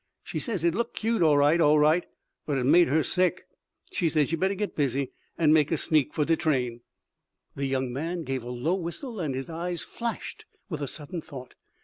She says it looked cute, all right all right, but it made her sick. She says yer better git busy, and make a sneak for de train." The young man gave a low whistle and his eyes flashed with a sudden thought.